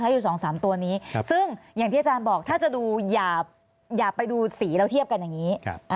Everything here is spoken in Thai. ดูสีเราเทียบกันอย่างนี้